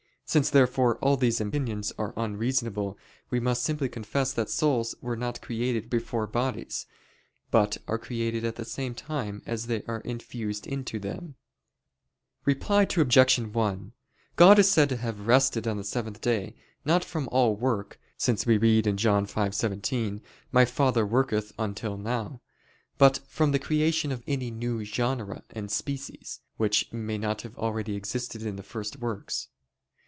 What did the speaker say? Since, therefore, all these opinions are unreasonable, we must simply confess that souls were not created before bodies, but are created at the same time as they are infused into them. Reply Obj. 1: God is said to have rested on the seventh day, not from all work, since we read (John 5:17): "My Father worketh until now"; but from the creation of any new genera and species, which may not have already existed in the first works.